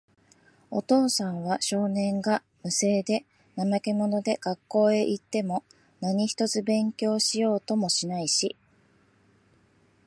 お父さんは、少年が、無精で、怠け者で、学校へいっても何一つ勉強しようともしないし、